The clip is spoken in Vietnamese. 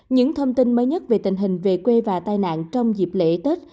những thông tin mới nhất về tình hình về quê và tai nạn trong dịp lễ tết